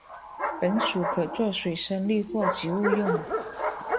本属可做水生绿化植物用。